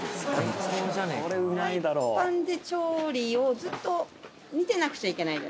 フライパンで調理をずっと見てなくちゃいけないじゃないですか